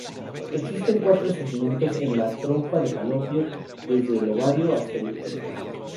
Existen cuatro segmentos en la trompa de falopio, desde el ovario hasta el útero.